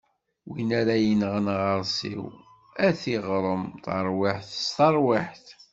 Win ara yenɣen aɣersiw, ad t-iɣrem: Taṛwiḥt s teṛwiḥt.